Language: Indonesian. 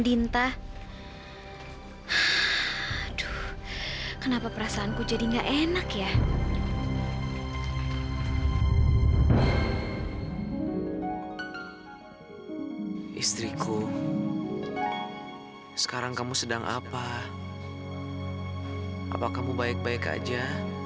dinta aduh kenapa perasaanku jadi enak ya istriku sekarang kamu sedang apa apa kamu baik baik aja